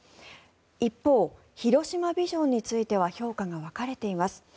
一方、広島ビジョンについては評価が分かれています。